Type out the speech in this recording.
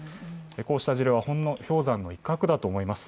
こうした事例は、ほんの氷山の一角だと思います。